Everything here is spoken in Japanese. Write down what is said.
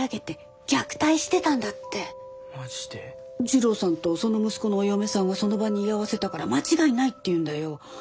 次郎さんとその息子のお嫁さんがその場に居合わせたから間違いないって言うんだよ。